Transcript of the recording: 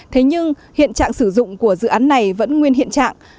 thế nhưng hiện trạng sử dụng của dự án này vẫn nguyên hiện trạng